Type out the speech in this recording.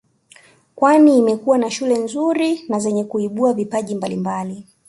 Kwani imekuwa na shule nzuri na zenye kuibua vipaji mbalimbali